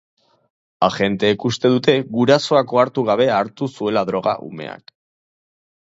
Agenteek uste dute gurasoak ohartu gabe hartu zuela droga umeak.